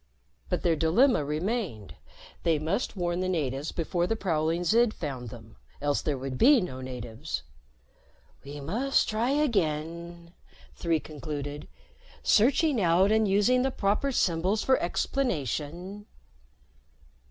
But their dilemma remained. They must warn the natives before the prowling Zid found them, else there would be no natives. "We must try again," Three concluded, "searching out and using the proper symbols for explanation."